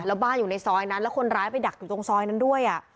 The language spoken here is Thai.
แล้วบ้านอยู่ในซอยนั้นแล้วคนร้ายไปดักอยู่ตรงซอยนั้นด้วย